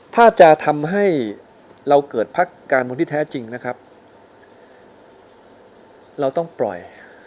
ถ้าจะทำให้เราเกิดพักการเมืองที่แท้จริงนะครับเราต้องปล่อย